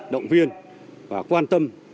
động viên và quan tâm